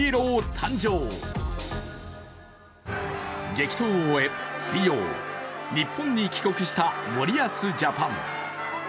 激闘を終え、水曜、日本に帰国した森保ジャパン。